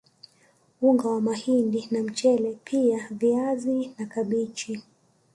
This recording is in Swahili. Unga wa mahindi na mchele pia viazi na kabichi